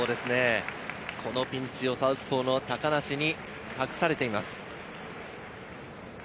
このピンチをサウスポーの高梨に託されています。